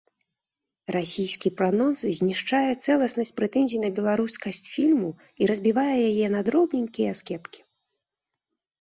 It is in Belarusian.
Расійскі пранонс знішчае цэласнасць прэтэнзій на беларускасць фільму і разбівае яе на дробненькія аскепкі.